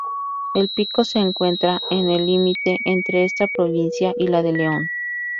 El pico se encuentra en el límite entre esta provincia y la de León.